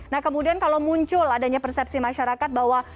nah kemudian kalau muncul adanya persepsi masyarakat bahwa